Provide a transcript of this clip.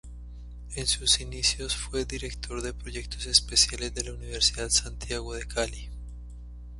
En sus inicios fue director de proyectos especiales de la Universidad Santiago de Cali.